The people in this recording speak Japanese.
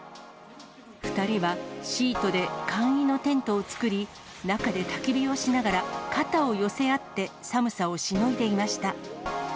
２人はシートで簡易のテントを作り、中でたき火をしながら肩を寄せ合って寒さをしのいでいました。